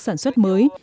sản xuất mới